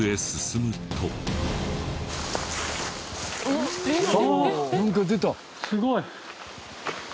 すごい。